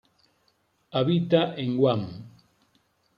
Habita en Guam.